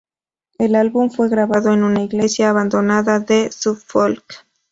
El álbum fue grabado en una iglesia abandonada de Suffolk.